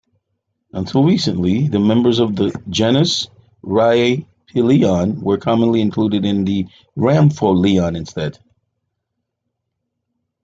Until recently, the members of the genus "Rieppeleon" were commonly included in "Rhampholeon", instead.